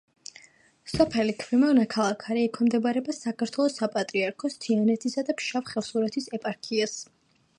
სოფელი ქვემო ნაქალაქარი ექვემდებარება საქართველოს საპატრიარქოს თიანეთისა და ფშავ-ხევსურეთის ეპარქიას.